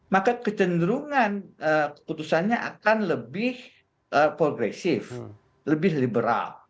maka kecenderungan putusannya akan lebih progresif lebih liberal